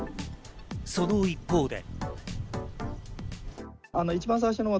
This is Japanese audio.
その一方で。